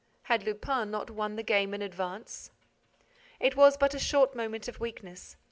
Had Lupin not won the game in advance? It was but a short moment of weakness.